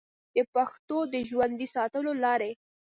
د پښتو د ژوندي ساتلو لارې